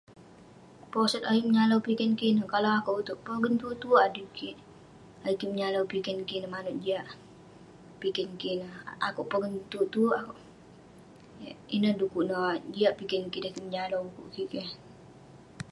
Posot ayuk menyalau piken kik ineh, kalau akouk itouk, pogen tue tue adui kik. Ayuk kik menyalau piken kik ineh, manouk eh jiak piken kik ineh. Akouk pogen tue tue akouk. Ineh dekuk neh jiak piken kik dan kik menyalau kuk kik keh.